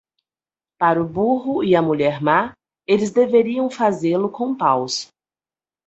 Para o burro e a mulher má, eles deveriam fazê-lo com paus.